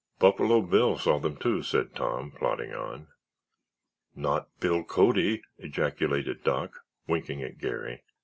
"Buffalo Bill saw them, too," said Tom, plodding on. "Not Bill Cody!" ejaculated Doc, winking at Garry.